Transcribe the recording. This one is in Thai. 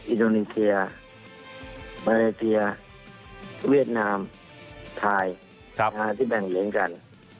อินโดนีเซียมาเลเซียเวียดนามไทยที่แบ่งเลี้ยงกัน